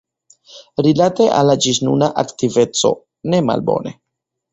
Rilate al la ĝisnuna aktiveco, ne malbone.